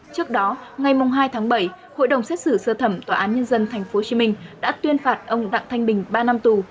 trước đó ngày hai tháng bảy hội đồng xét xử sơ thẩm tòa án nhân dân tp hcm đã tuyên phạt ông đặng thanh bình ba năm tù